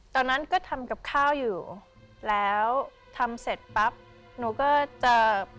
ตอนนั้นก็ทำกับข้าวอยู่แล้วทำเสร็จปั๊บหนูก็จะ